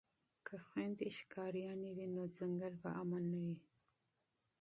که خویندې ښکاریانې وي نو ځنګل به امن نه وي.